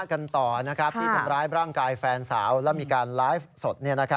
ที่ทำร้ายร่างกายแฟนสาวและมีการร้ายสด